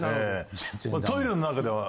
トイレの中では。